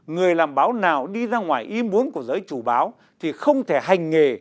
người làm báo nào đi ra ngoài im bốn của giới chủ báo thì không thể hành nghề